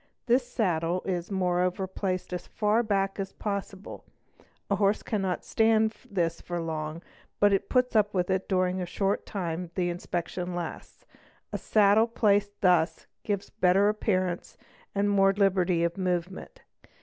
This saddle is moreover placed as far back as possible; a horse cannot stand this for long, but it puts up with it during the short time the inspection lasts. A saddle placed thus gives a better appearance, and more liberty of movement.